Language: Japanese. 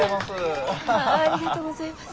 ありがとうございます。